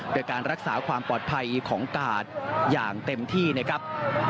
โดยการรักษาความปลอดภัยของกาดอย่างเต็มที่นะครับ